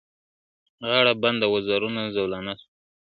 غاړه بنده وزرونه زولانه سوه ..